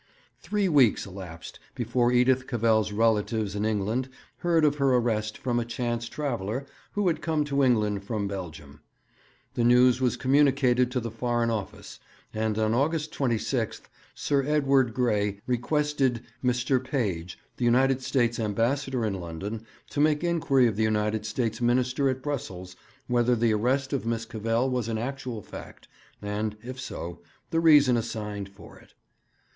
Three weeks elapsed before Edith Cavell's relatives in England heard of her arrest from a chance traveller who had come to England from Belgium. The news was communicated to the Foreign Office, and on August 26 Sir Edward Grey requested Mr. Page, the United States Ambassador in London, to make inquiry of the United States Minister at Brussels whether the arrest of Miss Cavell was an actual fact, and, if so, the reason assigned for it.